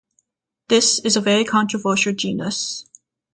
This is a very controversial genus.